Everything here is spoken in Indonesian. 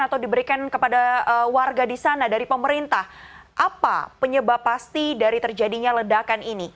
atau diberikan kepada warga di sana dari pemerintah apa penyebab pasti dari terjadinya ledakan ini